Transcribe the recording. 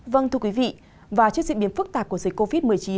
vâng thưa quý vị vào trước diễn biến phức tạp của dịch covid một mươi chín